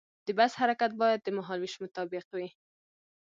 د بس حرکت باید د مهال ویش مطابق وي.